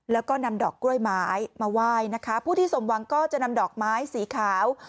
แล้วก็นำดอกกล้วยไม้มาไหว้นะคะผู้ที่สมหวังก็จะนำดอกไม้สีขาว